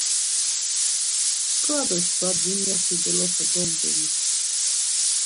Çkva do çkva dunyapeşi doloxe gomdunit.